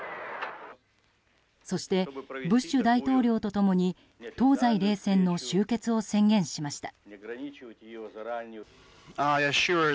そしてブッシュ大統領と共に東西冷戦の終結を宣言しました。